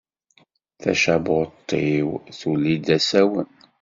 Tacabuṭ-iw tulli-d d asawen.